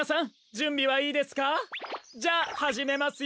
じゃあはじめますよ！